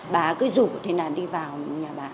bà cứ rủ thì là đi vào nhà bà